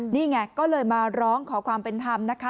นี่ไงก็เลยมาร้องขอความเป็นธรรมนะคะ